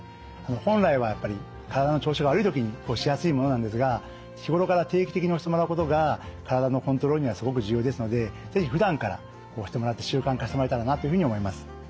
本来はやっぱり体の調子が悪い時に押しやすいものなんですが日頃から定期的に押してもらうことが体のコントロールにはすごく重要ですので是非ふだんから押してもらって習慣化してもらえたらなというふうに思います。